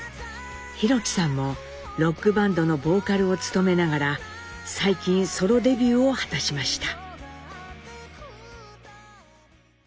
寛樹さんもロックバンドのボーカルを務めながら最近ソロデビューを果たしました。